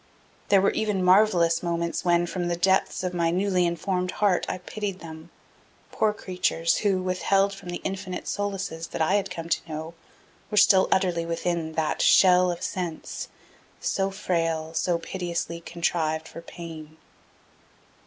There were even marvelous moments when, from the depths of my newly informed heart, I pitied them poor creatures, who, withheld from the infinite solaces that I had come to know, were still utterly within that Shell of sense So frail, so piteously contrived for pain.